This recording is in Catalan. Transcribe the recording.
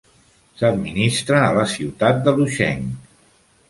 S"administra a la ciutat de Lucheng.